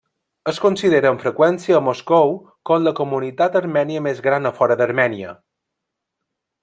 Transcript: Es considera amb freqüència a Moscou com la comunitat armènia més gran a fora d'Armènia.